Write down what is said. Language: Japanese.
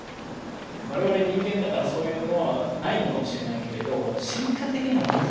我々人間だからそういうのはないのかもしれないけれどなるほど！